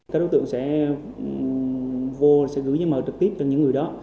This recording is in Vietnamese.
các đối tượng sẽ vô sẽ gửi giá mở trực tiếp cho những người đó